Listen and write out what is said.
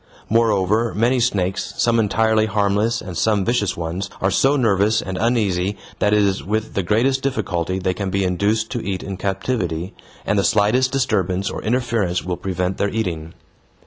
Moreover, many snakes, some entirely harmless and some vicious ones, are so nervous and uneasy that it is with the greatest difficulty they can be induced to eat in captivity, and the slightest disturbance or interference will prevent their eating.